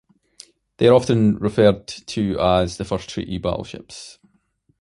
They are often referred to as the first treaty battleships.